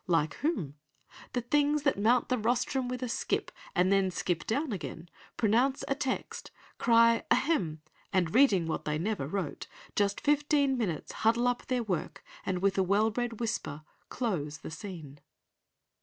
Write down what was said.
Like whom? The things that mount the rostrum with a skip, And then skip down again; pronounce a text, Cry, ahem! and reading what they never wrote, Just fifteen minutes, huddle up their work, And with a well bred whisper, close the scene."